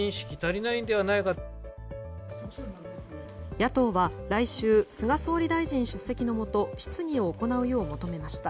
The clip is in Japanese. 野党は来週、菅総理大臣出席のもと質疑を行うよう求めました。